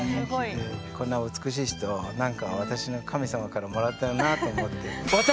こんな美しい人なんか私の神様からもらったらなと思って。